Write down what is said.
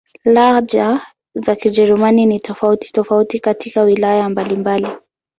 Lahaja za Kijerumani ni tofauti-tofauti katika wilaya mbalimbali.